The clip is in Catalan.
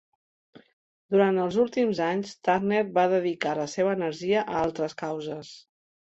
Durant els últims anys, Turner va dedicar la seva energia a altres causes.